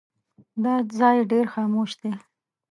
دا ځای ډېر خاموش دی.